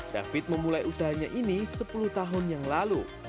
david memulai usahanya ini sepuluh tahun yang lalu